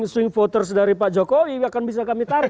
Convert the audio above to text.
swing voters dari pak jokowi akan bisa kami tarik